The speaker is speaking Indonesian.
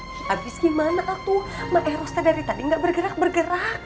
habis gimana tuh mak erosta dari tadi gak bergerak bergerak